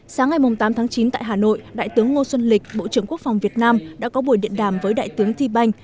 sáng ngày tám tháng chín tại hà nội đại tướng ngô xuân lịch bộ trưởng quốc phòng việt nam đã có buổi điện đàm với đại tướng thi banh